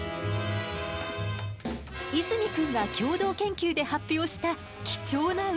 泉くんが共同研究で発表した貴重なウンチがあるの。